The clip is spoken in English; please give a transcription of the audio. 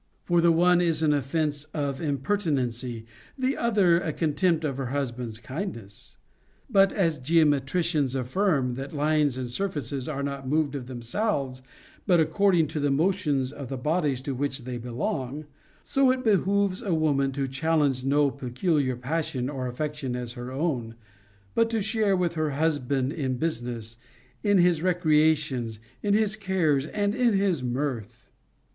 For the one is an offence of impertinency, the other a contempt of her husband's kindness. But, as geometricians affirm that lines and surfaces are not moved of themselves, but ac cording to the motions of the bodies to which they belong, so it behooves a woman to challenge no peculiar passion or affection as her own, but to share with her husband in business, in his recreations, in his cares, and in his mirth.